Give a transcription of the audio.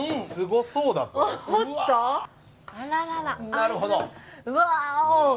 なるほど。